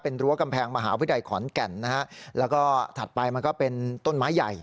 เป็นรั้วกำแพงมหาวิทยาลัยขอนแก่นนะฮะแล้วก็ถัดไปมันก็เป็นต้นไม้ใหญ่